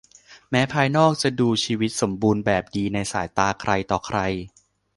แม้ภายนอกจะดูชีวิตสมบูรณ์แบบดีในสายตาใครต่อใคร